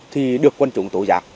thì được quân chủ tổ giác